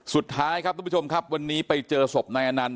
สุดท้ายนะครับพี่ผู้ชมครับวันนี้ไปเจอสมในนั่น